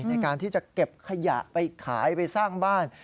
ในการที่จะเก็บขยะไปขายไปสร้างบ้าน